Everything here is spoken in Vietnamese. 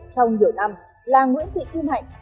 trong nhiều năm là nguyễn thị thiên hạnh